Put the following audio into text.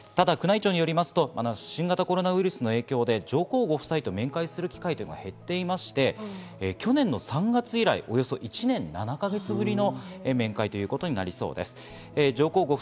ただ宮内庁によりますと、新型コロナウイルスの影響で上皇ご夫妻と面会する機会は減っていて、去年の３月以来、およそ１年７か月ぶりの面会ということになりそうです。